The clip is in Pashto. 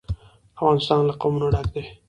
افغانستان له قومونه ډک دی.